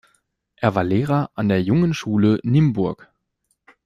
Er war Lehrer an der Jungenschule in Nymburk.